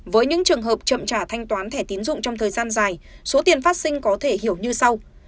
với những trường hợp chậm trả thanh toán thẻ tiến dụng trong thời gian dài số tiền phát sinh có thể hiểu như sau